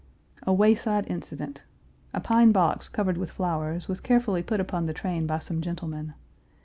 A Wayside incident. A pine box, covered with flowers, was carefully put upon the train by some gentlemen.